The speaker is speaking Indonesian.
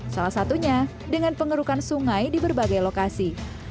salah satunya dengan pengerukan sungai di berbagai lokasi